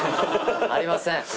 ありません。